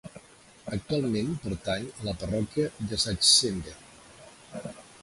Actualment pertany a la parròquia de Sachsenberg.